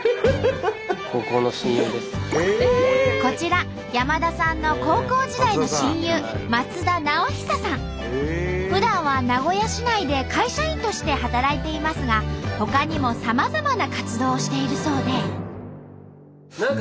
こちら山田さんの高校時代の親友ふだんは名古屋市内で会社員として働いていますがほかにもさまざまな活動をしているそうで。